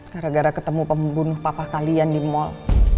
gara gara ketemu pembunuh papa kalian di mal